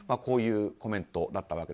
こういうコメントでした。